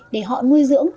để họ nuôi dưỡng